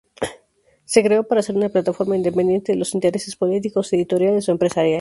Se creó para ser una plataforma independiente de los intereses políticos, editoriales o empresariales.